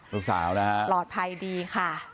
ลูกสาวนะคะปลอดภัยดีค่ะลูกสาวนะคะปลอดภัยดีค่ะ